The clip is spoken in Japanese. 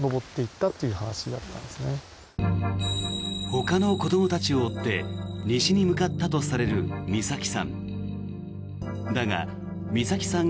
ほかの子どもたちを追って西に向かったとされる美咲さん。